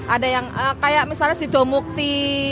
ada yang kayak misalnya si domukti